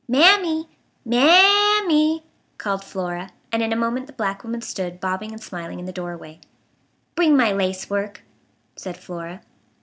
"Mammy! Mam m e e," called Flora, and in a moment the black woman stood bobbing and smiling in the doorway. "Bring my lace work," said Flora.